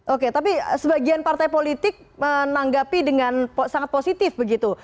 oke tapi sebagian partai politik menanggapi dengan sangat positif begitu